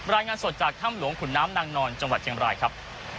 รายงานสดจากถ้ำหลวงขุนน้ำนางนอนจังหวัดเชียงบรายครับ